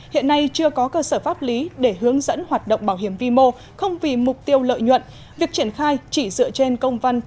hiện nay chưa có cơ sở pháp lý để hướng dẫn hoạt động bảo hiểm vi mô không vì mục tiêu lợi nhuận